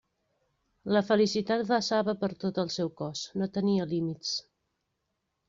La felicitat vessava per tot el seu cos, no tenia límits.